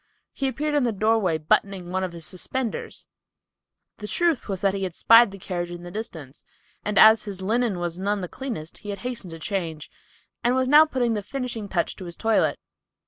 He appeared in the doorway buttoning one of his suspenders. The truth was he had spied the carriage in the distance, and as his linen was none the cleanest he hastened to change, and was now putting the finishing touch to his toilet.